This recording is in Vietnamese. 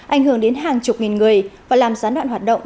ảnh hưởng đến hàng chục nghìn người và làm gián đoạn hoạt động